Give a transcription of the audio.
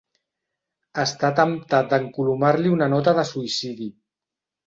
Està temptat d'encolomar-li una nota de suïcidi.